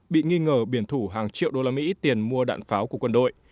bị nghi ngờ biển thủ hàng triệu đô la mỹ tiền mua đạn pháo của quân đội